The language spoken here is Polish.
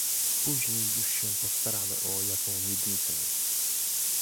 "Później już się postaramy o jaką miednicę."